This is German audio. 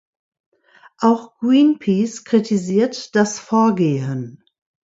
Auch Greenpeace kritisiert das Vorgehen.